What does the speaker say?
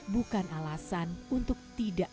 bukan alasan untuk tidak